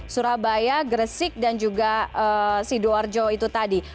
surabaya gresik dan juga sidoarjo itu tadi